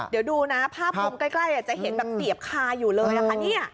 เดี๋ยวดูนะภาพมุมใกล้อาจจะเห็นแบบเตียบคาอยู่เลยอ่ะค่ะเนี่ย